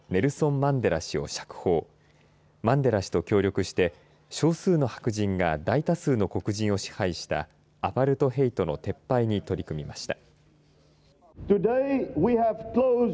マンデラ氏と協力して少数の白人が大多数の黒人を支配したアパルトヘイトの撤廃に取り組みました。